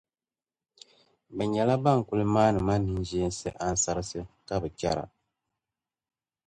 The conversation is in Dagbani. Bɛ nyɛla bɛn kul maani ma ninʒeensi ansarisi ka bi chɛra.